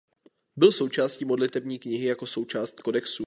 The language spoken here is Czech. Byl součástí modlitební knihy jako součást kodexu.